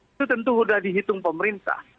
itu tentu sudah dihitung pemerintah